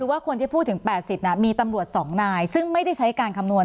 คือว่าควรจะพูดถึงแปดสิบนะมีตำรวจสองนายซึ่งไม่ได้ใช้การคำนวณ